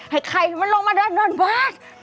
ให้ไข่มันลงมาด้านนอนป๊า๊ด